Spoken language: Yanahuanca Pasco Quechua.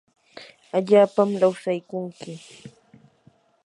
allapam lawsaykunki